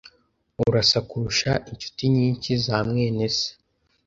Urasa kurusha inshuti nyinshi za mwene se.